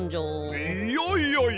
いやいやいや！